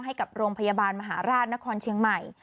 ให้กับโรงพยาบาลมหาราชนครเชียงใหม่